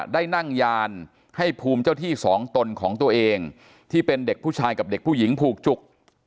ได้นั่งยานให้ภูมิเจ้าที่สองตนของตัวเองที่เป็นเด็กผู้ชายกับเด็กผู้หญิงผูกจุก